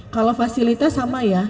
kalau fasilitas sama ya